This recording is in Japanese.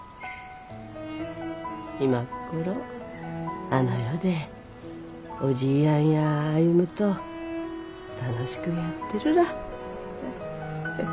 今っ頃あの世でおじぃやんや歩と楽しくやってるら。